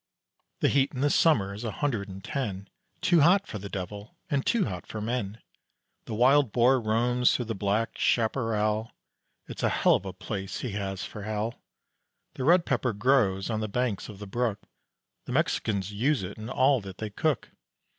The heat in the summer is a hundred and ten, Too hot for the devil and too hot for men. The wild boar roams through the black chaparral, It's a hell of a place he has for a hell. The red pepper grows on the banks of the brook; The Mexicans use it in all that they cook.